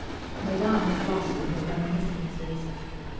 Madame was lost in her reminiscences.